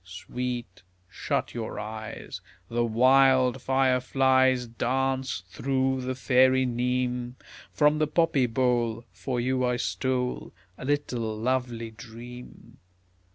Sweet, shut your eyes, The wild fire flies Dance through the fairy neem; From the poppy bole For you I stole A little lovely dream.